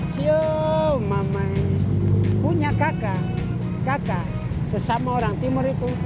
sio mama punya kakak kakak sesama orang timur itu